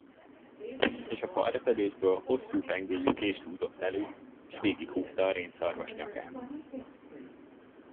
És a falrepedésből hosszú pengéjű kést húzott elő, s végighúzta a rénszarvas nyakán.